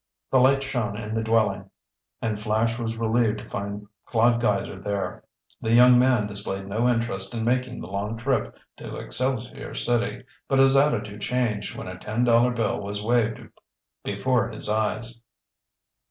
A light shone in the dwelling, and Flash was relieved to find Claude Geiser there. The young man displayed no interest in making the long trip to Excelsior City, but his attitude changed when a ten dollar bill was waved before his eyes.